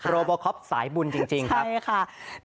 โรโบคอปสายบุญจริงครับ